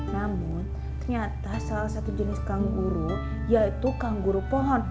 namun ternyata salah satu jenis kang guru yaitu kang guru pohon